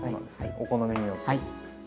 お好みによって。